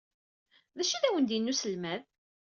D acu ay awen-d-yenna uselmad?